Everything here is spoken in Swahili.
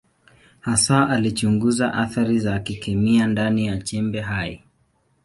Hasa alichunguza athari za kikemia ndani ya chembe hai.